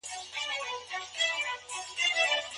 آیا د غلا او درواغو عاقبت بد دی؟